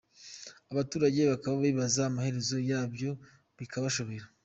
Abaturage bakaba bibaza amaherezo yabyo bikabashobobera.